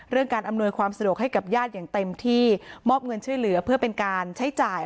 การอำนวยความสะดวกให้กับญาติอย่างเต็มที่มอบเงินช่วยเหลือเพื่อเป็นการใช้จ่าย